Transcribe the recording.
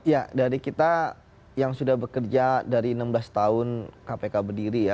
ya dari kita yang sudah bekerja dari enam belas tahun kpk berdiri ya